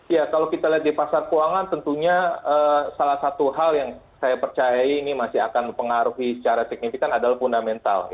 ya kalau kita lihat di pasar keuangan tentunya salah satu hal yang saya percayai ini masih akan mengaruhi secara signifikan adalah fundamental